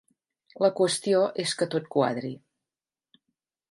La qüestió és que tot quadri.